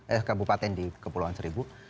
eh kabupaten di kepulauan seribu